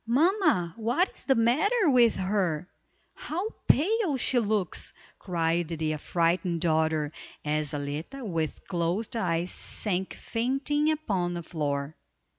"Mamma, what is the matter with her? How pale she looks!" cried the affrighted daughter, as Zaletta with closed eyes sank fainting upon the floor.